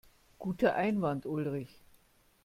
Guter Einwand, Ulrich.